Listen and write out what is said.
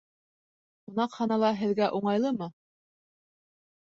Ҡунаҡханала һеҙгә уңайлымы?